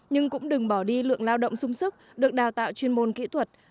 nhưng cũng đừng bỏ đi lượng lao động sung sức được đào tạo chuyên môn kỹ thuật